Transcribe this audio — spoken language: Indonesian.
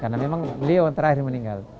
karena memang beliau yang terakhir meninggal